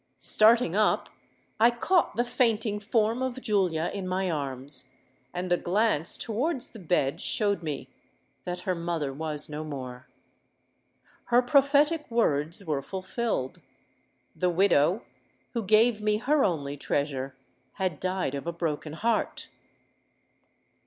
Starting up, I caught the fainting form of Julia in my arms;—and a glance towards the bed showed me that her mother was no more! Her prophetic words were fulfilled: the widow, who gave me her only treasure, had died of a broken heart!